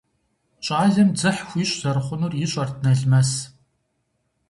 ЩӀалэм дзыхь хуищӀ зэрыхъунур ищӀэрт Налмэс.